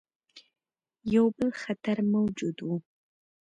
یو بل خطر موجود وو.